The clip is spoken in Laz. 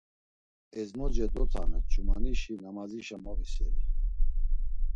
Ezmoce dotanu ç̌umanişi namazişa moviseli.